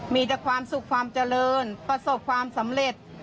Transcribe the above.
มีแต่ความสุขความเจริญประสบความสำเร็จ